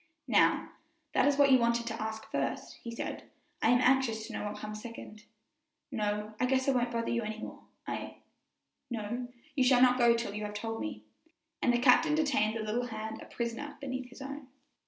"Now, that is what you wanted to ask first," he said; "I am anxious to know what comes second." "No, I guess I won't bother you any more; I " "No, you shall not go till you have told me;" and the captain detained the little hand a prisoner beneath his own.